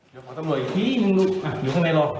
ยกของตำรวจอีกทีหนึ่งลูกอยู่ข้างในรออยู่ข้างในรอตำรวจ